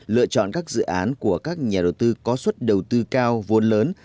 lựa chọn các dự án của các nhà đầu tư có suất đầu tư cao vốn lớn